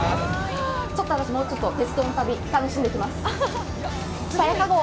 私、もうちょっと鉄道の旅、楽しんでいきます。